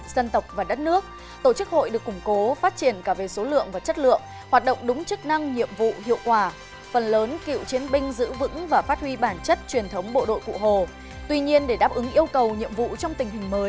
xin chào và hẹn gặp lại